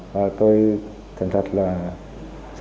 và tôi thật là rất chia lệch